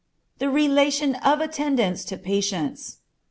_The Relation of Attendants to Patients.